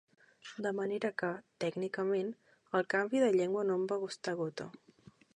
De manera que, tècnicament, el canvi de llengua no em va costar gota.